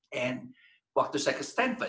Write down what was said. dan waktu saya ke stanford